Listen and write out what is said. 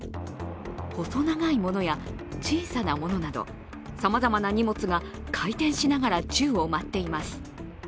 細長いものや小さなものなどさまざまな荷物が回転しながら宙を舞っています。